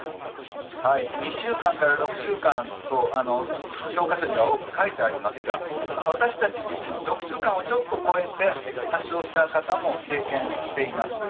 ２週間から６週間と教科書には多く書いてありますけれども私たち自身、６週間をちょっと超えて発症した方も経験しています。